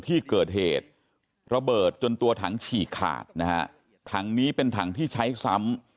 ที่เกิดเหตุระเบิดจนตัวถังฉี่ขาดนะฮะถังนี้เป็นถังที่ใช้ซ้ำ